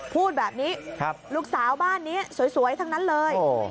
พูดแบบนี้ลูกสาวบ้านนี้สวยทั้งนั้นเลย